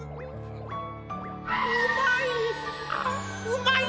うまい！